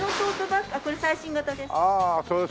これ最新型です。